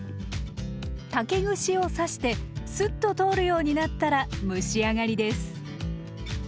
竹串を刺してスッと通るようになったら蒸し上がりです。